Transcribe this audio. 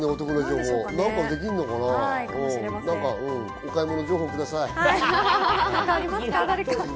お買い物情報ください。